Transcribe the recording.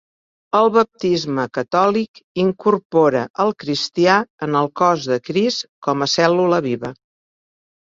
El baptisme catòlic incorpora el cristià en el cos de Crist, com a cèl·lula viva.